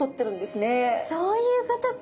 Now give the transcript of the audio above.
そういうことか！